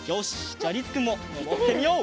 じゃありつくんものぼってみよう！